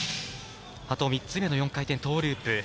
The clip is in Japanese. あと３つ目の４回転トウループ